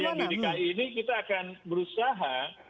dan yang di dki ini kita akan berusaha